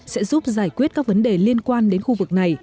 sẽ giúp giải quyết các vấn đề liên quan đến khu vực này